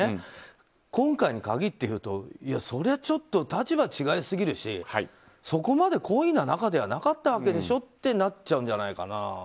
今回に限って言うとそれはちょっと、立場が違いすぎるしそこまで懇意な中ではなかったわけでしょってなっちゃうんじゃないかな。